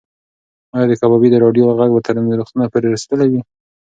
ایا د کبابي د راډیو غږ به تر روغتونه پورې رسېدلی وي؟